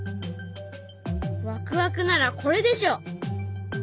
ワクワクならこれでしょ！